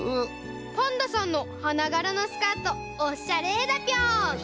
「パンダさんのはながらのスカートおしゃれだぴょん！」。